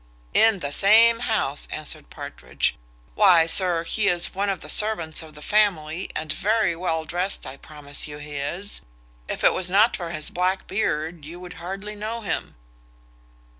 "In the same house!" answered Partridge; "why, sir, he is one of the servants of the family, and very well drest I promise you he is; if it was not for his black beard you would hardly know him."